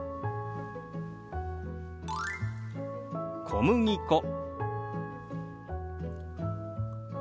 「小麦粉」。